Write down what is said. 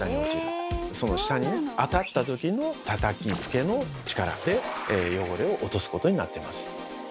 その下に当たった時のたたきつけの力で汚れを落とすことになってます。